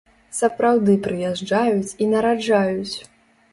Сапраўды прыязджаюць і нараджаюць!